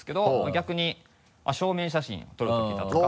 逆に証明写真を撮るときだとか。